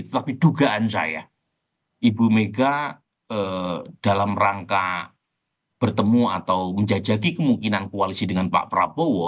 tapi dugaan saya ibu mega dalam rangka bertemu atau menjajaki kemungkinan koalisi dengan pak prabowo